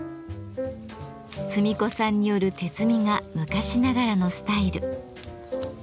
摘み子さんによる手摘みが昔ながらのスタイル。